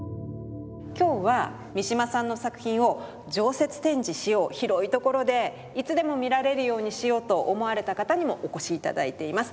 今日は三島さんの作品を常設展示しよう広い所でいつでも見られるようにしようと思われた方にもお越し頂いています。